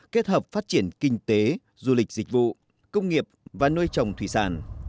kết hợp phát triển kinh tế du lịch dịch vụ công nghiệp và nuôi trồng thủy sản